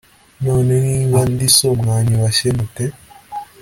none niba ndi so mwanyubashye mute